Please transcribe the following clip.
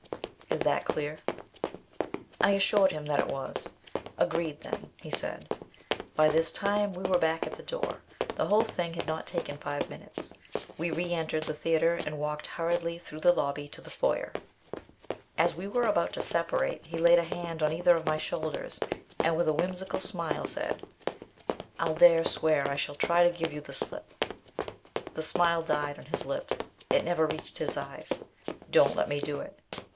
Is that clear?" I assured him that it was. "Agreed then," he said. By this time we were back at the door. The whole thing had not taken five minutes. We re entered the theatre, and walked hurriedly through the lobby to the foyer. As we were about to separate, he laid a hand on either of my shoulders, and with a whimsical smile, said: "I'll dare swear I shall try to give you the slip." The smile died on his lips. It never reached his eyes. "Don't let me do it.